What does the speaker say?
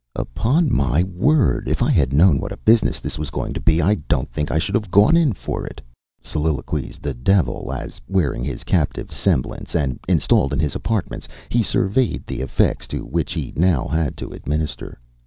“Upon my word, if I had known what a business this was going to be, I don’t think I should have gone in for it,” soliloquized the Devil as, wearing his captive’s semblance and installed in his apartments, he surveyed the effects to which he now had to administer.